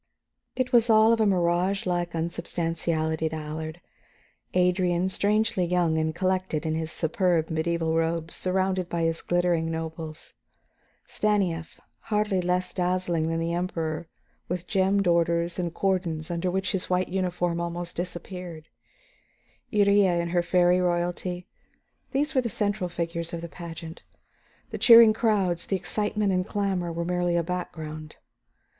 It was all of mirage like unsubstantiality to Allard: Adrian, strangely young and collected in his superb medieval robes, surrounded by his glittering nobles; Stanief, hardly less dazzling than the Emperor, with gemmed orders and cordons under which his white uniform almost disappeared; Iría in her fairy royalty, these were the central figures of the pageant. The cheering crowds, the excitement and clamor, were merely a background.